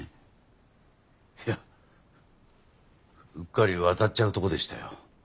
いやうっかり渡っちゃうとこでしたよ。